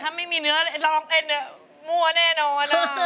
ถ้าไม่มีเนื้อร้องเต้นมั่วแน่นอน